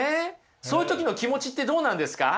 そういう時の気持ちってどうなんですか？